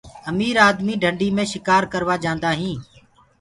امير آدمي ڍنڊي مي شڪآر ڪروآ جآندآ هينٚ۔